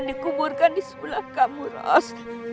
dikuburkan di sebelah kamu rasul